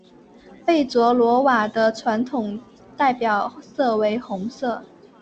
贝卓罗瓦的传统代表色为红色。